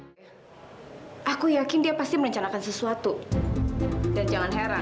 sampai jumpa di video selanjutnya